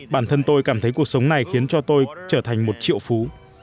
bản thân tôi cảm thấy cuộc sống này khiến cho tôi trở thành một triệu phú